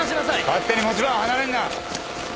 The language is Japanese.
勝手に持ち場を離れるな。